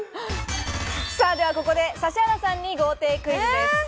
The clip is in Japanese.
ではここで指原さんに豪邸クイズです。